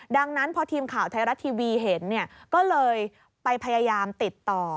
ดังนั้นพอทีมข่าวไทยรัฐทีวีเห็นก็เลยไปพยายามติดต่อ